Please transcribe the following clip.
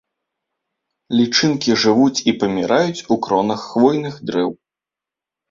Лічынкі жывуць у паміраюць кронах хвойных дрэў.